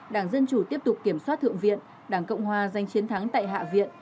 đảng dân chủ tiếp tục kiểm soát thượng viện đảng cộng hòa giành chiến thắng tại hạ viện